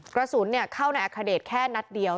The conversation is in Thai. กระสุนเนี่ยเข้านายอาคเดตแค่นัดเดียว